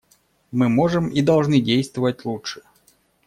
Мы можем и должны действовать лучше.